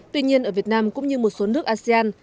tuy nhiên ở việt nam cũng như một số nước asean